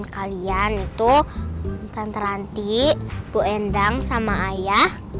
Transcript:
kalian itu tante ranti bu endang sama ayah